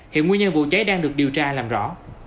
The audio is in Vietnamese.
hiện nguyên nhân vụ cháy đang được điều tra làm rõ